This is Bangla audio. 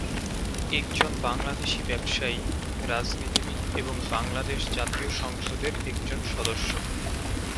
একজন বাংলাদেশী ব্যবসায়ী, রাজনীতিবিদ এবং বাংলাদেশ জাতীয় সংসদের একজন সদস্য।